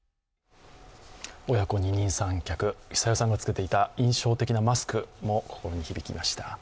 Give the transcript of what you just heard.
親子二人三脚、寿代さんが着けていた印象的なマスクも心に響きました。